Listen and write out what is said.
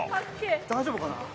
大丈夫かな？